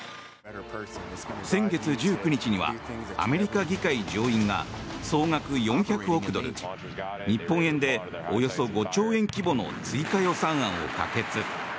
先月１９日にはアメリカ議会上院が総額４００億ドル日本円で、およそ５兆円規模の追加予算案を可決。